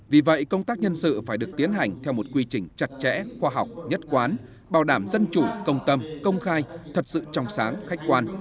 vì vậy công tác nhân sự phải được tiến hành theo một quy trình chặt chẽ khoa học nhất quán bảo đảm dân chủ công tâm công khai thật sự trong sáng khách quan